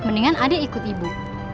mendingan adik ikut ibu